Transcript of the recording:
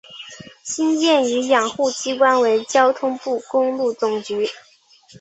新建与养护机关为交通部公路总局。